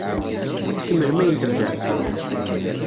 Ad tkemmlem ayen tebdam?